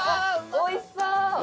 おいしそう。